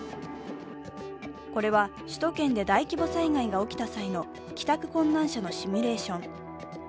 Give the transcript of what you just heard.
これは首都圏で大規模災害が起きたときの帰宅困難者のシミュレーション。